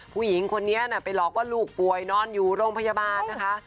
ผู้หญิงคนนี้ไปหลอกว่าลูกป่วยนอนอยู่โรงพยาบาลนะคะ